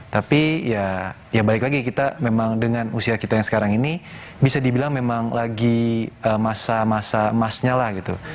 tapi ya ya balik lagi kita memang dengan usia kita yang sekarang ini bisa dibilang memang lagi masa masa emasnya lah gitu